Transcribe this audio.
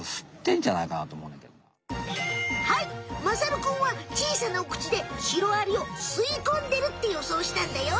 はいまさるくんは小さなお口でシロアリを吸いこんでるってよそうしたんだよ。